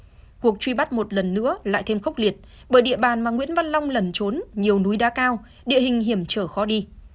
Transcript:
cuộc truy bắt một lần nữa lại thêm khốc liệt bởi địa bàn mà nguyễn văn long lần trốn nhiều núi đá cao địa hình hiểm trở khó đi